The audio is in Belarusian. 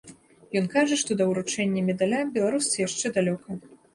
Ён кажа, што да уручэння медаля беларусцы яшчэ далёка.